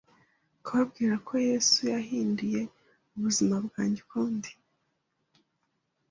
kubabwira ko Yesu yahinduye ubuzima bwanjye ukundi